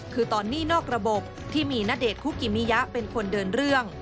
คือตอนนี้นอกระบบที่มีณเดชนคุกิมิยะเป็นคนเดินเรื่อง